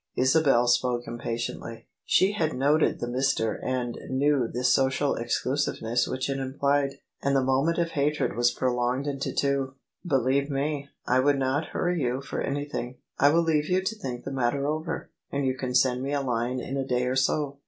Isabel spoke impatiently. She had noted the " Mr." and knew the social exclusiveness which it implied : and the moment of hatred was prolonged into two. "Believe me, I would not hurry you for anything. I [ 280 ] OF ISABEL CARNABY wfll leave you to think the matter over, and you can send me a line in a day or so.